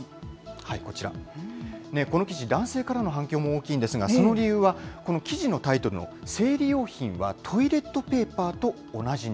この記事、男性からの反響も大きいんですが、その理由はこの記事のタイトルの、生理用品はトイレットペーパーと同じに。